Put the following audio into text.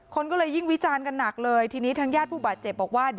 คนก็เลยยิ่งวิจารณ์กันหนักเลยทีนี้ทางญาติผู้บาดเจ็บบอกว่า